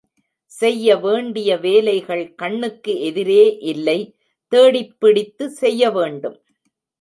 செய்ய வேண்டிய வேலைகள் கண்ணுக்கு எதிரே இல்லை தேடிப் பிடித்துே செய்யவேண்டும்.